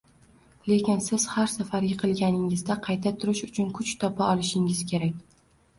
Lekin siz har safar yiqilganingizda qayta turish uchun kuch topa olishingiz kerak